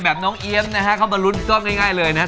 แบบน้องเอี๊ยมนะฮะเข้ามารุ้นกล้องง่ายเลยนะฮะ